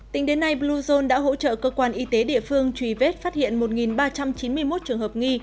tính đến nay bluezone đã hỗ trợ cơ quan y tế địa phương trùy vết phát hiện một ba trăm chín mươi một trường hợp nghi